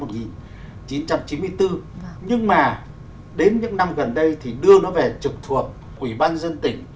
nhưng mà đến những năm gần đây thì đưa nó về trực thuộc ủy ban dân tỉnh